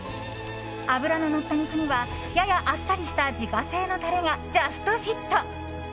脂ののった肉にはややあっさりした自家製のタレがジャストフィット！